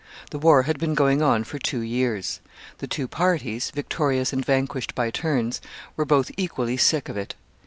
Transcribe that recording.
The war had been going on for two years. The two parties, victorious and vanquished by turns, were both equally sick of it.